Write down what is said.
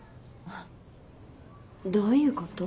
どういうこと？